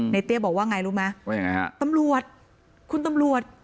ในเตี้ยบอกว่าไงรู้ไหมตำรวจคุณตำรวจ